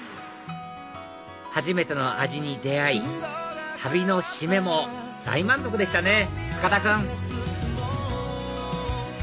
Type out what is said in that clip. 初めての味に出会い旅の締めも大満足でしたね